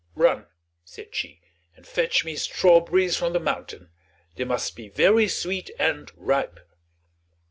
"Run," said she, "and fetch me strawberries from the mountain: they must be very sweet and ripe."